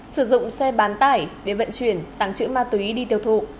sử dụng xe bán tải để vận chuyển tăng trữ ma túy đi tiêu thụ